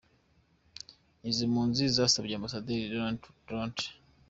Izi mpunzi zasabye Ambasaderi Donald W.